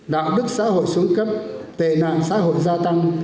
đạo đức xã hội xuống cấp tệ nạn xã hội gia tăng